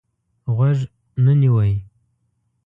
غوږ نه نیوی.